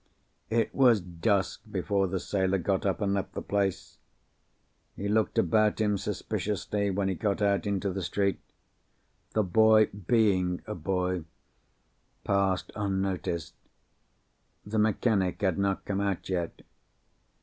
It was dusk before the sailor got up, and left the place. He looked about him suspiciously when he got out into the street. The boy—being a boy—passed unnoticed. The mechanic had not come out yet.